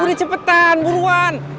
udah cepetan buruan